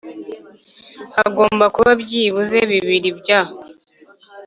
hagomba kuba byibuze bibiri bya